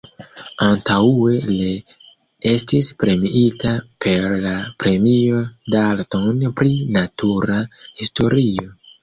Antaŭe le estis premiita per la Premio Dalton pri natura historio.